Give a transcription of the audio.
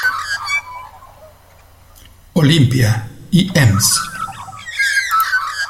Olympia y Ms.